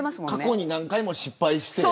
過去に何回も失敗している。